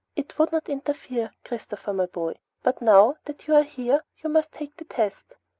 "It would not interfere, Christopher my boy. But now that you are here, you must make the test.